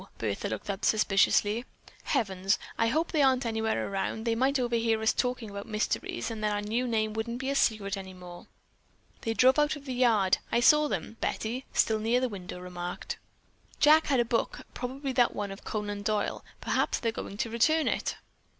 Bertha looked up suspiciously. "Heavens, I hope they aren't anywhere around. They might overhear us talking about mysteries and then our new name wouldn't be secret any more." "They drove out of the yard; I saw them," Betty, still near the window, remarked. "Jack had a book. Probably that one of Conan Doyle. Perhaps they're going to return it."